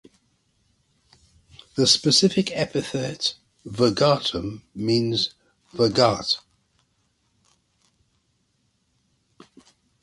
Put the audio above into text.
The specific epithet ("virgatum") means "virgate".